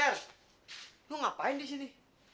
hei ter lo ngapain di sini